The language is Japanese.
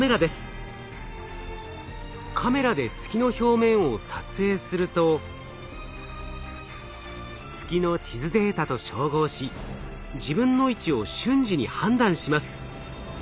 カメラで月の表面を撮影すると月の地図データと照合し自分の位置を瞬時に判断します。